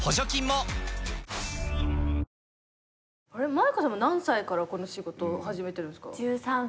舞香さんは何歳からこの仕事始めてるんすか？